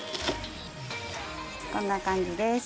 こんな感じです。